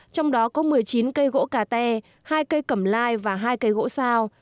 trong đó có một mươi chín cây gỗ cà tê hai cây cẩm lai và hai cây gỗ sao